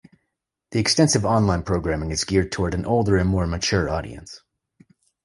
The extensive online programming is geared towards an older and more mature audience.